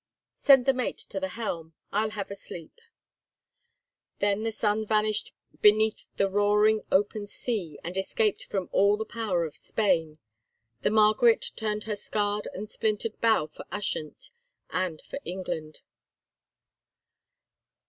Send the mate to the helm. I'll have a sleep." Then the sun vanished beneath the roaring open sea, and, escaped from all the power of Spain, the Margaret turned her scarred and splintered bow for Ushant and for England.